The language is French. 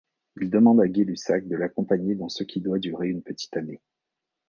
Il demande à Gay-Lussac de l'accompagner dans ce qui doit durer une petite année.